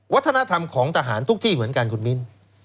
วัฒนธรรมของทหารทุกที่เหมือนกันคุณมิ้น